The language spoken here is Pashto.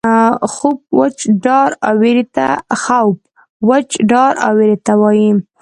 خوف وچ ډار او وېرې ته وایي.